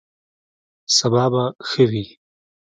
سبا به ښه وي